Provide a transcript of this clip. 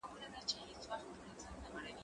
زه له سهاره سندري اورم؟